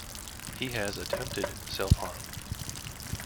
He has attempted self-harm.